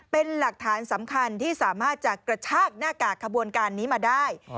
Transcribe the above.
เป็นหลักฐานสำคัญที่สามารถจะกระชากหน้ากากขบวนการนี้มาได้